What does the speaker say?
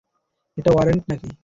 এটা ওয়ারেন্ট নাকি?